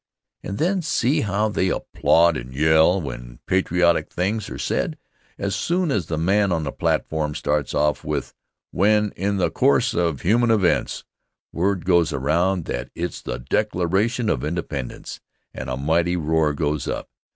And then see how they applaud and yell when patriotic things are said! As soon as the man on the platform starts off with "when, in the course of human events," word goes around that it's the Declaration of Independence, and a mighty roar goes up.